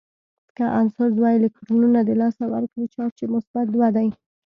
که عنصر دوه الکترونونه د لاسه ورکړي چارج یې مثبت دوه دی.